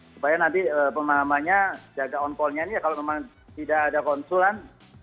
supaya nanti pemahamannya jaga on callnya ini ya kalau memang tidak ada konsulan